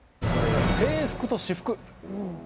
制服と私服。